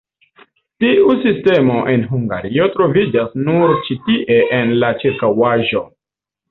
Tiu sistemo en Hungario troviĝas nur ĉi tie en la ĉirkaŭaĵo.